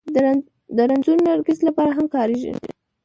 د رنځور نرګس لپاره هم کارېږي